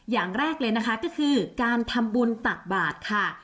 อย่างแรกเลยนะคะก็คือการทำบุญตักบาทค่ะ